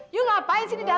ibu ngapain sih di dalam